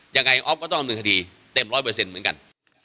ออฟก็ต้องดำเนินคดีเต็มร้อยเปอร์เซ็นต์เหมือนกัน